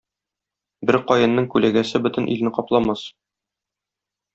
Бер каенның күләгәсе бөтен илне капламас.